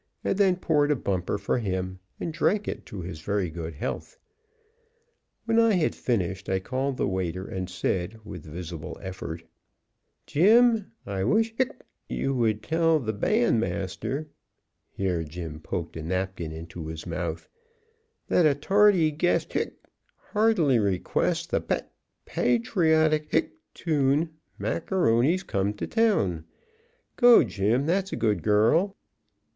and then poured a bumper for him and drank it to his very good health. When I had finished, I called the waiter and said, with visible effort: "Jim, I wish hic you would tell th' bandmaster (here Jim poked a napkin into his mouth), that a tardy guest hic heartily requests the pat patriotic hic tune Macaroni's come to town. Go, Jim, that's a good girl."